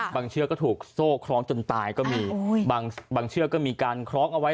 เชือกก็ถูกโซ่คล้องจนตายก็มีบางเชือกก็มีการคล้องเอาไว้